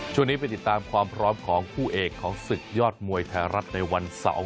ช่วงนี้ไปติดตามความพร้อมของคู่เอกของศึกยอดมวยไทยรัฐในวันเสาร์